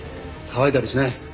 騒いだりしない。